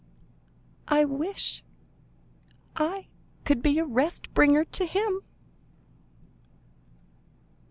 I wish I could be a rest bringer to him."